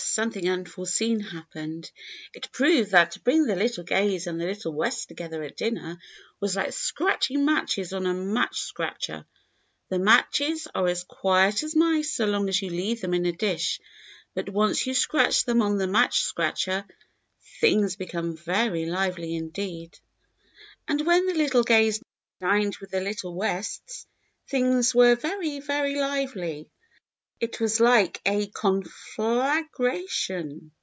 something unforeseen happened. It proved that to bring the little Gays and the little Wests together at dinner was like scratching matches on a match scratcher. The matches are as quiet as mice so long as you leave them in a dish, but once you scratch them on the match scratcher things be come very lively, indeed. And when the little Gays dined with the little Wests, things w^ere very, very lively. It was like a conflagration.